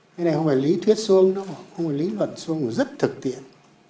cái này không phải lý thuyết xuông đâu không phải lý luận xuông mà rất thực tiện